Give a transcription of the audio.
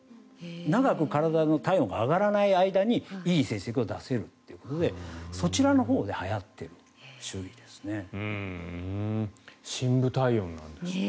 長く体の体温が上がらない間にいい成績を出せるということでそちらのほうではやっているんですね。